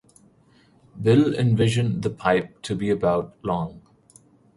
Bill envisioned the pipe to be about long.